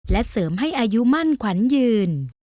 และเสริมให้อายุมั่นขวัญยืน